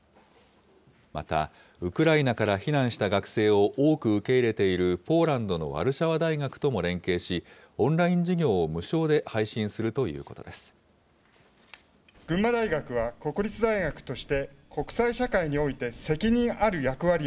また、ウクライナから避難した学生を多く受け入れているポーランドのワルシャワ大学とも連携し、オンライン授業を無償で配信するということです。